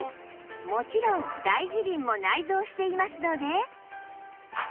もちろん『大辞林』も内蔵していますので